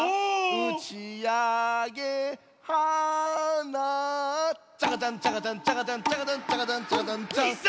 打ち上げ花火ジャカジャンジャカジャンジャカジャンジャカジャンジャカジャンジャカジャンジャン「いざ」。